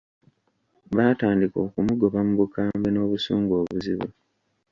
Baatandika okumugoba mu bukambwe n'obusungu obuzibu!